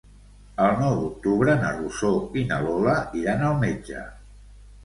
El nou d'octubre na Rosó i na Lola iran al metge.